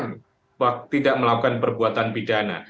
kemudian bisa bebas karena tidak melakukan perbuatan pidana